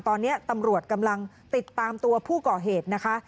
ตอนนี้ตำรวจกำลังติดตามตัวผู้ก่อเหตุนะคะ